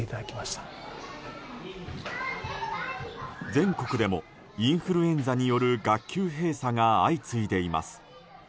全国でもインフルエンザによる学級閉鎖が相次いでいます。